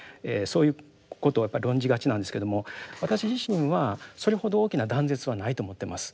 そういうことを論じがちなんですけども私自身はそれほど大きな断絶はないと思ってます。